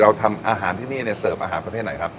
ทำอาหารที่นี่เนี่ยเสิร์ฟอาหารประเภทไหนครับ